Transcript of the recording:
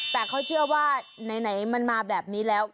แต่เขาเชื่อว่าไหนมันมาแบบนี้แล้ว